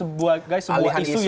sesuatu tidak mengalihkan